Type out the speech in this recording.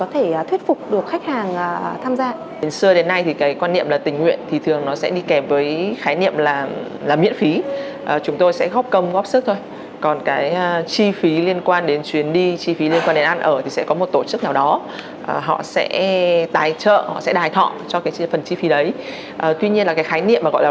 tuy nhiên là cái khái niệm mà gọi là